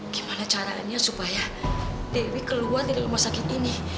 gimana caranya supaya dewi keluar dari rumah sakit ini